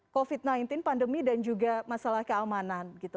karena covid sembilan belas pandemi dan juga masalah keamanan